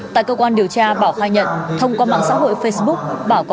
tại cơ quan điều tra bảo khai nhận thông qua mạng xã hội facebook